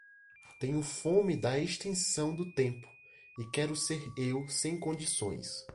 Tenho fome da extensão do tempo, e quero ser eu sem condições.